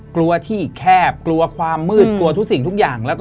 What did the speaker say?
กลัวที่แคบความมืดกลัวทุกอย่าง